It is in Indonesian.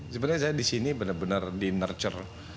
sebenarnya saya di sini benar benar di nurture